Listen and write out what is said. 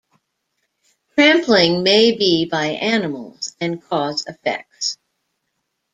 Trampling may be by animals and cause effects.